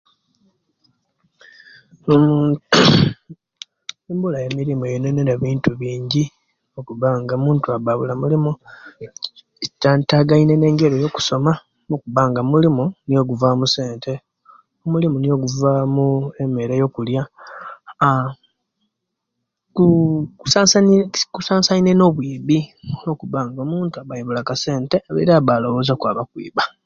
Mmm embula yemirimo eyonenele ebintu bingi okubanga omuntu aba'wula mirimo bitatagaine nengeri yo kosoma omulimo nigwo oguvaamu esente, omulimo nigwo oguvaamu emere yokulya aah kuu kusansai kusasaine no'bwibi lwakuba nti omuntu aba awula kasente era aba alowozya okwaba okwiba.